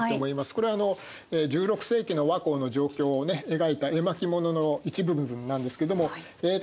これは１６世紀の倭寇の状況を描いた絵巻物の一部分なんですけどもこちら側ですね